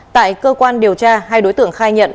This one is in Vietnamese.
tại cơ quan điều tra hai đối tượng khai nhận